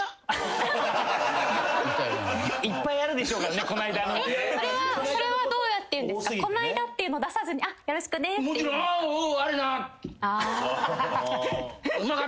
いっぱいあるでしょうから「この間」それはどうやって言うんですかこの間っていうの出さずによろしくねって言うんですか？